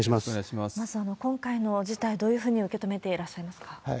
まず、今回の事態、どういうふうに受け止めてらっしゃいますか？